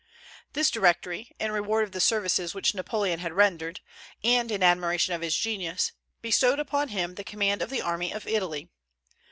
This Directory, in reward of the services which Napoleon had rendered, and in admiration of his genius, bestowed upon him the command of the army of Italy.